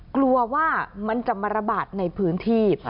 กลัวว่ามันจะมาระบาดในพื้นที่